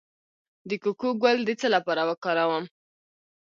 د کوکو ګل د څه لپاره وکاروم؟